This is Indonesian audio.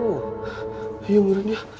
ya mudah mudahan ya